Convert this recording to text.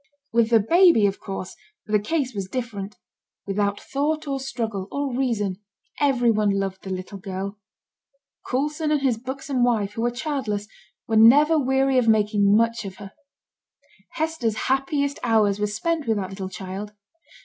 With the baby, of course, the case was different. Without thought or struggle, or reason, every one loved the little girl. Coulson and his buxom wife, who were childless, were never weary of making much of her. Hester's happiest hours were spent with that little child.